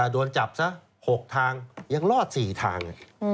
โดนจับซะ๖ทางยังรอด๔ทาง